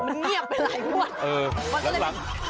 มันเมียบไปหลายรวด